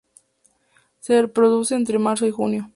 Se reproduce entre marzo y junio.